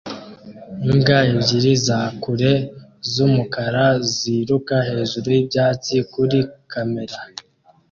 Imbwa ebyiri za kure z'umukara ziruka hejuru y'ibyatsi kuri kamera